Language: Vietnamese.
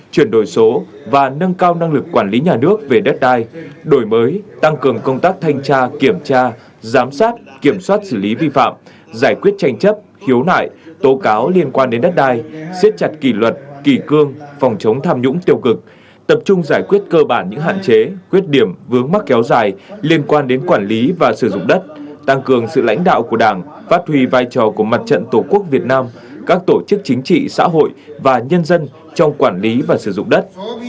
tăng cường công tác thanh tra kiểm tra giám sát kiểm soát xử lý vi phạm giải quyết tranh chấp hiếu nải tố cáo liên quan đến đất đai xếp chặt kỳ luật kỳ cương phòng chống tham nhũng tiêu cực tập trung giải quyết cơ bản những hạn chế quyết điểm vướng mắc kéo dài liên quan đến quản lý và sử dụng đất tăng cường sự lãnh đạo của đảng phát huy vai trò của mặt trận tổ quốc việt nam các tổ chức chính trị xã hội và nhân dân trong quản lý và sử dụng đất